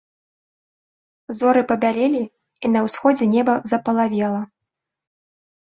Зоры пабялелі, і на ўсходзе неба запалавела.